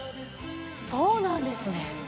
そうなんですね。